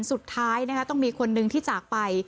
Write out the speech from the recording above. สุดท้ายต้องมีคนนึงที่จากไป